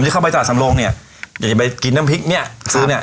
เข้าไปตลาดสำโรงเนี่ยอยากจะไปกินน้ำพริกเนี่ยซื้อเนี้ย